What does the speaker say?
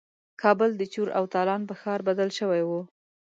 کابل د چور او تالان په ښار بدل شوی وو.